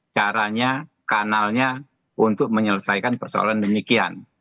caranya kanalnya untuk menyelesaikan persoalan demikian